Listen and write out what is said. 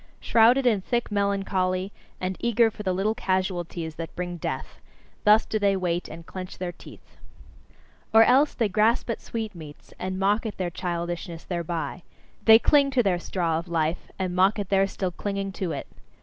Shrouded in thick melancholy, and eager for the little casualties that bring death: thus do they wait, and clench their teeth. Or else, they grasp at sweetmeats, and mock at their childishness thereby: they cling to their straw of life, and mock at their still clinging to it.